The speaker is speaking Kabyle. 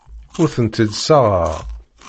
Ur tent-id-ssaɣeɣ.